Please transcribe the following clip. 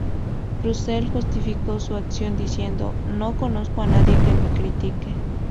Russell justificó su acción diciendo "No conozco a nadie que me critique.